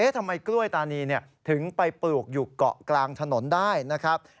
ทำไมกล้วยตานีถึงไปปลูกอยู่เกาะกลางถนนได้นะครับ